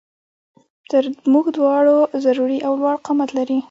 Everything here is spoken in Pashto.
تر مونږ دواړو ضروري او لوړ قامت لري